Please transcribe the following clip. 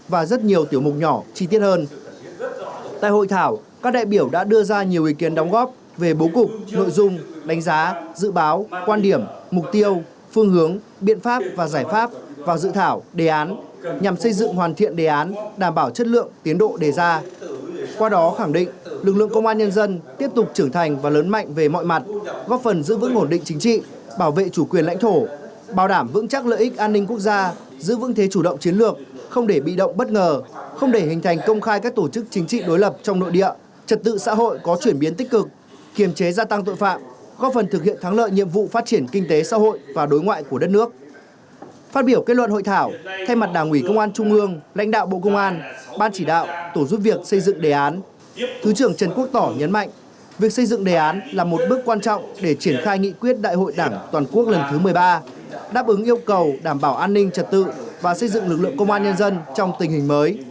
việc xây dựng đề án là một bước quan trọng để triển khai nghị quyết đại hội đảng toàn quốc lần thứ một mươi ba đáp ứng yêu cầu đảm bảo an ninh trật tự và xây dựng lực lượng công an nhân dân trong tình hình mới